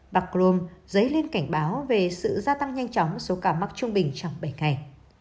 bà grom dấy lên cảnh báo về sự gia tăng nhanh chóng số ca mắc trung bình trong bảy ngày